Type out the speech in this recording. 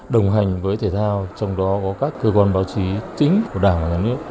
đồng hành với thể thao trong đó có các cơ quan báo chí chính của đảng và nhà nước